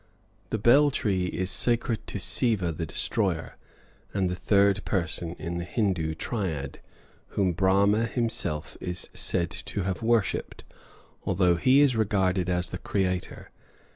The bel tree is sacred to Siva the Destroyer, and the third person in the Hindoo Triad, whom Brahma himself is said to have worshipped, although he is regarded as the Creator.